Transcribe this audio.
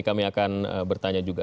kami akan bertanya juga